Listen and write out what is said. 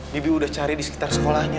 bibi udah cari di sekitar sekolahnya